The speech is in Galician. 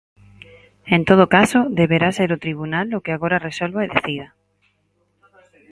En todo caso, deberá ser o tribunal o que agora resolva e decida.